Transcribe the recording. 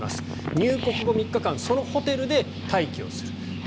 入国後３日間そのホテルで待機をする。